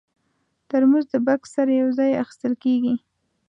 ترموز د بکس سره یو ځای اخیستل کېږي.